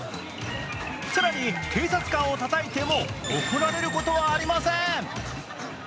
更に警察官をたたいても怒られることはありません。